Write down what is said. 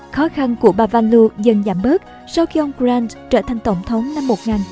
khó khăn của bà van loo dần giảm bớt sau khi ông grant trở thành tổng thống năm một nghìn tám trăm sáu mươi chín